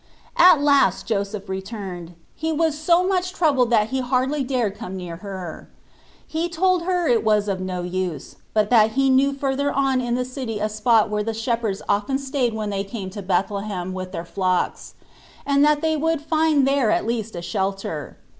At last Joseph returned ; he was so much troubled that he hardly dare come near her. He told her it was of no use, but that he knew further on in the city a spot where the shepherds often stayed when they came to Bethlehem with their flocks, and that they would find there at least a shelter.